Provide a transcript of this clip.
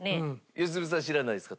良純さん知らないですか？